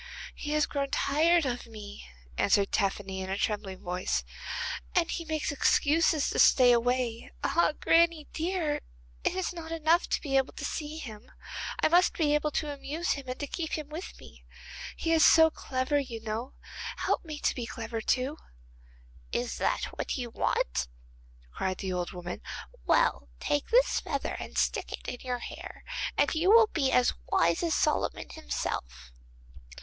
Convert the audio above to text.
'He has grown tired of me,' answered Tephany in a trembling voice, 'and he makes excuses to stay away. Ah! granny dear, it is not enough to be able to see him, I must be able to amuse him and to keep him with me. He is so clever, you know. Help me to be clever too.' 'Is that what you want?' cried the old woman. 'Well, take this feather and stick it in your hair, and you will be as wise as Solomon himself.